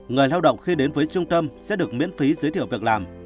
người lao động khi đến với trung tâm sẽ được miễn phí giới thiệu việc làm